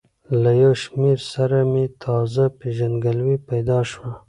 له یو شمېر سره مې تازه پېژندګلوي پیدا شوه.